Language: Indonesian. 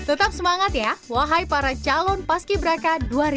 tetap semangat ya wahai para calon paski berata dua ribu sembilan belas